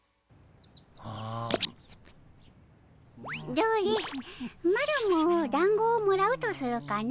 どれマロもだんごをもらうとするかの。